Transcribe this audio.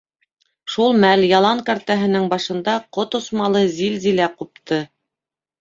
Шул мәл ялан кәртәһенең башында ҡот осмалы зилзилә ҡупты.